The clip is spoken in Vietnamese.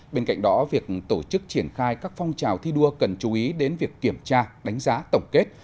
bên cạnh đó việc tổ chức triển khai các phong trào thi đua cần chú ý đến việc kiểm tra đánh giá tổng kết